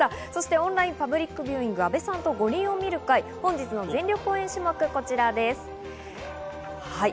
オンラインパブリックビューイングは阿部さんと五輪を見る会、本日の全力応援種目はこちらです。